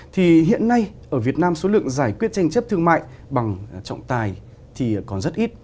thì hiện nay ở việt nam số lượng giải quyết tranh chấp thương mại bằng trọng tài thì còn rất ít